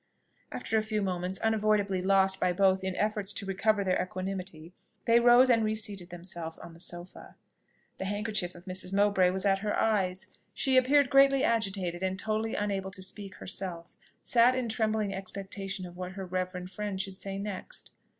After a few moments unavoidably lost by both in efforts to recover their equanimity, they rose and reseated themselves on the sofa. The handkerchief of Mrs. Mowbray was at her eyes. She appeared greatly agitated, and totally unable to speak herself, sat in trembling expectation of what her reverend friend should say next.